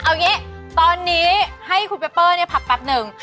เอาอย่างนี้ตอนนี้ให้คุณเปเปอร์พักแป๊บหนึ่ง